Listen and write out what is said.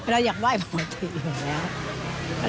เราอยากไหว้ปกติอยู่แล้ว